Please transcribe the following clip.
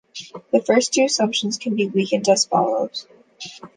The first two assumptions can be weakened as follows.